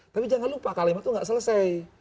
tapi jangan lupa kalimat itu nggak selesai